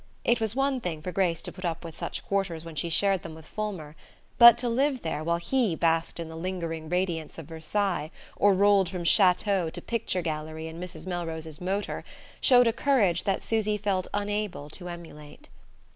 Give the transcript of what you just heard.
It was one thing for Grace to put up with such quarters when she shared them with Fulmer; but to live there while he basked in the lingering radiance of Versailles, or rolled from chateau to picture gallery in Mrs. Melrose's motor, showed a courage that Susy felt unable to emulate.